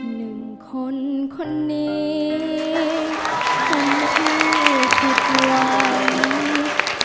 เป็นคนคนนี้คนที่ผิดหวัง